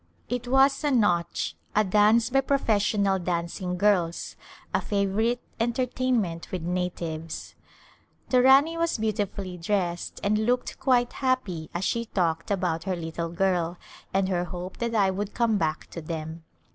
It was a Nautch^ a dance bv professional dancing girls, a favor ite entertainment with natives. The Rani was beautifullv dressed and looked quite happv as she talked about her little girl, and her hope that I would come back to them.